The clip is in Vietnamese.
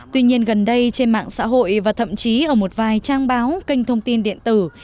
tuy nhiên gần đây trên mạng xã hội và thậm chí ở một vài trang báo kênh thông tin điện tử